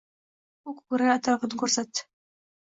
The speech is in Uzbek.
U koʻkragi atrofini koʻrsatdi